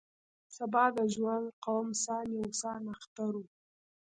سبا د جوانګ قوم سان یو سان اختر و.